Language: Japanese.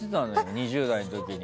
２０代の時に。